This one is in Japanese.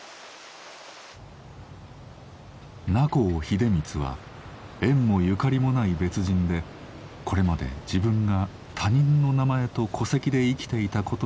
名幸秀光は縁もゆかりもない別人でこれまで自分が他人の名前と戸籍で生きていたことがわかったのです。